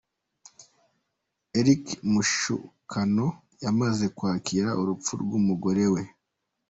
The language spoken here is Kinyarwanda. Eric Mashukano yamaze kwakira urupfu rw'umugore we.